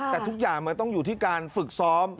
แต่ทุกอย่างมันต้องอยู่ที่การฝึกซ้อม